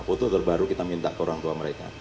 foto terbaru kita minta ke orang tua mereka